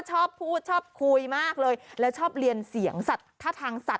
จุ่มจุ่มจุ่ม